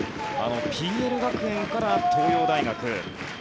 ＰＬ学園から東洋大学。